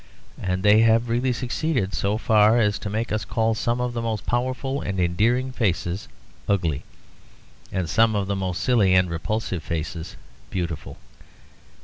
And they have really succeeded so far as to make us call some of the most powerful and endearing faces ugly, and some of the most silly and repulsive faces beautiful.